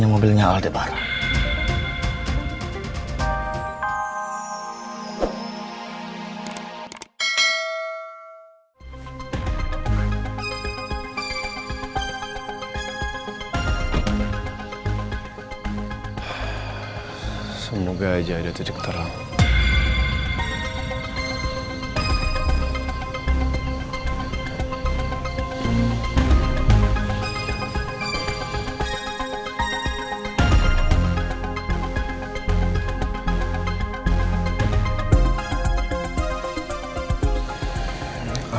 aman gak ada yang ngikutin gue